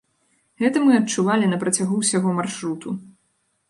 Гэта мы адчувалі на працягу ўсяго маршруту.